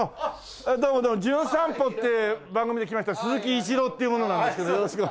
どうもどうも『じゅん散歩』って番組で来ました鈴木一朗っていう者なんですけどよろしく。